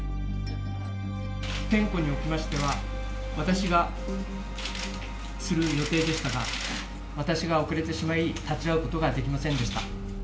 点呼におきましては、私がする予定でしたが、私が遅れてしまい、立ち会うことができませんでした。